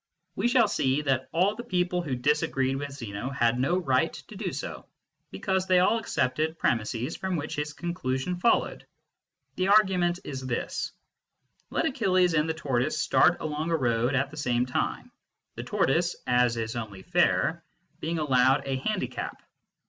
We shall see that all the people who disagreed with Zeno had no right to do so, because they all accepted premises from which his conclusion followed. The argument is this : Let Achilles and the tortoise start along a road at the same time, the tortoise (as is only fair) being allowed a handicap.